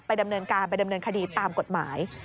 ดำเนินการไปดำเนินคดีตามกฎหมาย